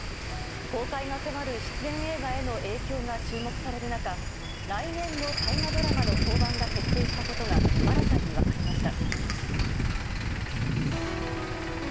公開が迫る出演映画への影響が注目される中来年の大河ドラマの降板が決定したことが新たに分かりました。